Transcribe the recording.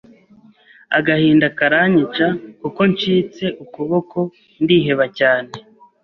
agahinda karanyica kuko ncitse ukuboko ndiheba cyane